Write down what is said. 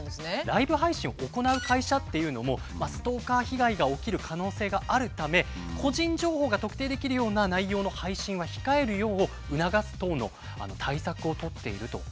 ライブ配信を行う会社っていうのもストーカー被害が起きる可能性があるため個人情報が特定できるような内容の配信は控えるよう促す等の対策をとっていると。